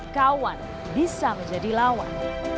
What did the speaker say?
kawan bisa menjadi lawan